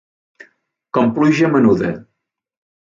Com pluja menuda.